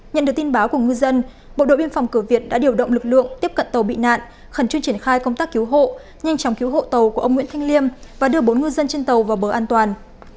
nhận được tin báo của ngư dân bộ đội biên phòng cửa việt đã điều động lực lượng tiếp cận tàu bị nạn khẩn trương triển khai công tác cứu hộ nhanh chóng cứu hộ tàu của ông nguyễn thanh liêm và đưa bốn ngư dân trên tàu vào bờ an toàn